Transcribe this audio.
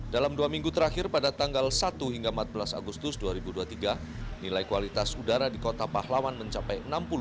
dalam dua minggu terakhir pada tanggal satu hingga empat belas agustus dua ribu dua puluh tiga nilai kualitas udara di kota pahlawan mencapai enam puluh dua